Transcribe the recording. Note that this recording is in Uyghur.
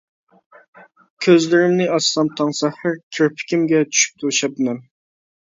كۆزلىرىمنى ئاچسام تاڭ سەھەر، كىرپىكىمگە چۈشۈپتۇ شەبنەم.